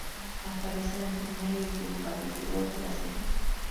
Aparece en el primer y último capítulo de la serie.